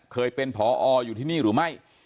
เคยเป็นพออยู่ที่นี่หรือไม่